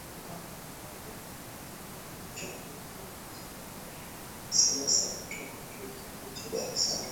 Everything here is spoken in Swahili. kama ambavyo mchambuzi wa masuala ya siasa kutoka chuo kikuu cha dar es salam